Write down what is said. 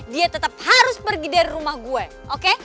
dia tetap harus pergi dari rumah gue oke